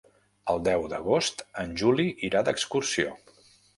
El deu d'agost en Juli irà d'excursió.